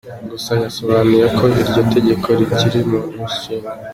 Gusa yasobanuye ko iryo tegeko rikiri umushinga.